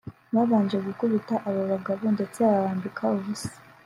babanje gukubita aba bagabo ndetse babambika ubusa